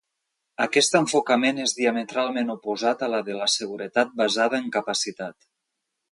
Aquest enfocament és diametralment oposat a la de la seguretat basada en capacitat.